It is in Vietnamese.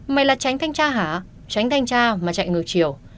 mà là tránh thanh tra hả tránh thanh tra mà chạy ngược chiều